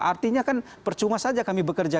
artinya kan percuma saja kami bekerja